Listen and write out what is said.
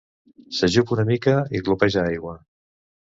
S'ajup una mica i glopeja aigua.